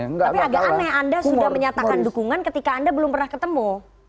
tapi agak aneh anda sudah menyatakan dukungan ketika anda belum pernah ketemu